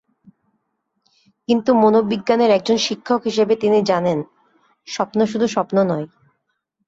কিন্তু মনোবিজ্ঞানের একজন শিক্ষক হিসেবে তিনি জানেন, স্বপ্ন শুধু স্বপ্ন নয়।